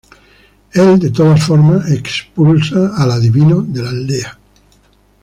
Él de todas formas expulsa al adivino de la aldea.